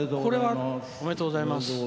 おめでとうございます。